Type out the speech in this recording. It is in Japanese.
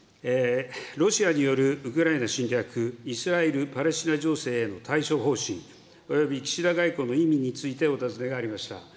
ロシアによるウクライナ侵略、イスラエル・パレスチナ情勢への対処方針および岸田外交の意味についてお尋ねがありました。